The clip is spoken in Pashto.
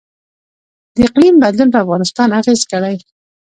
د اقلیم بدلون په افغانستان اغیز کړی؟